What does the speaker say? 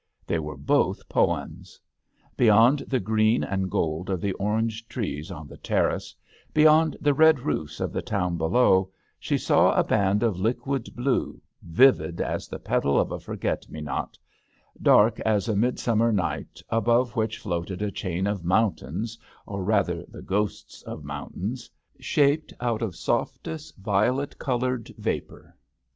They were both poems. Beyond the green and gold of the orange trees on the terrace, beyond the red roofs of the town below, she saw a band of liquid blue, vivid as the l6 THE HdXEL D*ANGLE1£RR£. petal of a forget me not, dark as a midsummer night; above which floated a chain of mountains, or rather the ghosts of mountains, shaped out of softest violet coloured vapour.